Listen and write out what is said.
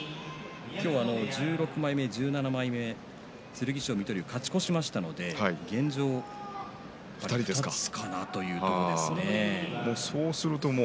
１６枚目、１７枚目剣翔、水戸龍が勝ち越しましたので現状では２つかなという感じですね。